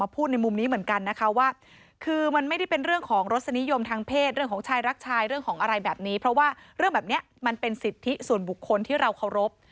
เพราะว่าเรื่องแบบนี้มันเป็นสิทธิส่วนบุคคลที่เราเคารพ